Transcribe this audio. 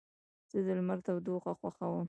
زه د لمر تودوخه خوښوم.